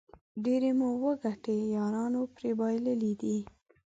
ډېرې مو وېکټې د یارانو پرې بایللې دي